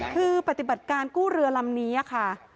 คือปฏิบัติการกู้เรือลำนี้ค่ะ